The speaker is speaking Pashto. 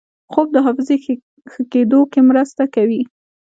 خوب د حافظې ښه کېدو کې مرسته کوي